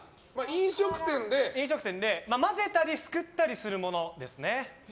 飲食店で混ぜたりすくったりするものですね。